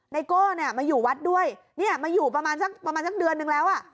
ไโก้เนี่ยมาอยู่วัดด้วยเนี่ยมาอยู่ประมาณสักประมาณสักเดือนนึงแล้วอ่ะ